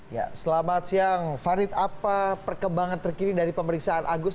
ya selamat siang farid apa perkembangan terkini dari pemeriksaan agus